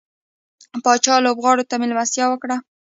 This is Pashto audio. پاچا لوبغاړو ته ملستيا وکړه.